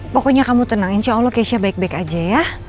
pokoknya kamu tenang insya allah kesha baik baik aja ya